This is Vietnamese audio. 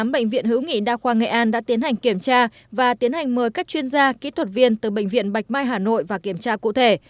bệnh viện hữu nghị đa khoa nghệ an đã tiến hành kiểm tra và tiến hành mời các chuyên gia kỹ thuật viên từ bệnh viện bạch mai hà nội và kiểm tra cụ thể